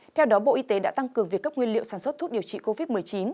theo đó bộ y tế đã tăng cường việc cấp nguyên liệu sản xuất thuốc điều trị covid một mươi chín